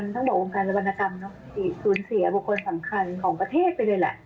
ทั้งหมดองค์การระบันกรรมสูญเสียบุคคลสำคัญของประเทศไปเลยแหละ